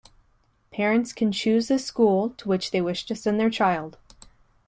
Parents can choose the school to which they wish to send their child.